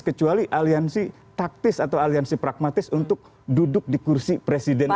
kecuali aliansi taktis atau aliansi pragmatis untuk duduk di kursi presiden itu